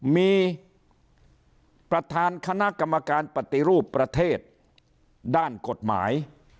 มีประธานคณะกรรมการปฏิรูปประเทศด้านกฎหมาย